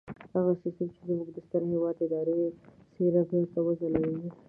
هغه سيستم چې زموږ د ستر هېواد اداري څېره بېرته وځلوي.